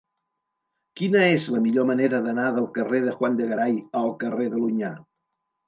Quina és la millor manera d'anar del carrer de Juan de Garay al carrer de l'Onyar?